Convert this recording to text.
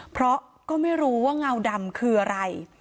เพราะก็ไม่รู้ว่าเงาดำคืออะไร